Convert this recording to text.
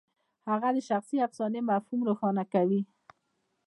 هغه د شخصي افسانې مفهوم روښانه کوي.